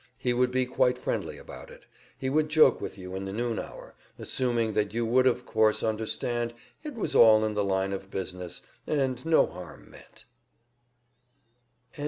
He would be quite friendly about it he would joke with you in the noon hour, assuming that you would of course understand it was all in the line of business, and no harm meant.